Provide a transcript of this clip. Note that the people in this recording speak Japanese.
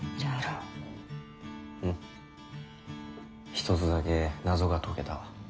一つだけ謎が解けたわ。